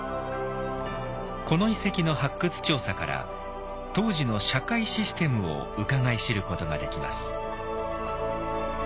この遺跡の発掘調査から当時の社会システムをうかがい知ることができます。